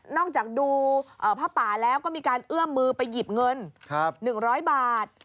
จากดูผ้าป่าแล้วก็มีการเอื้อมมือไปหยิบเงิน๑๐๐บาท